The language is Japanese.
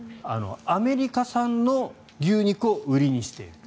アメリカ産の牛肉を売りにしている。